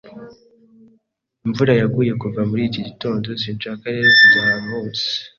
Imvura yaguye kuva muri iki gitondo, sinshaka rero kujya ahantu hose.